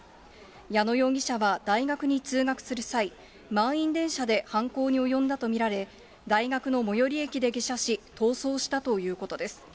矢野容疑者は大学に通学する際、満員電車で犯行に及んだと見られ、大学の最寄り駅で下車し、逃走したということです。